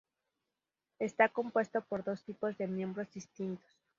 Está compuesto por dos tipos de miembros distintos.